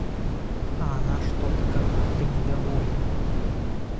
А она что-то как будто недовольна.